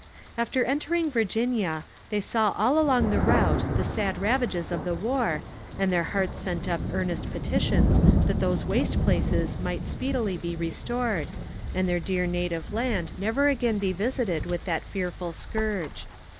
After entering Virginia, they saw all along the route the sad ravages of the war, and their hearts sent up earnest petitions that those waste places might speedily be restored, and their dear native land never again be visited with that fearful scourge.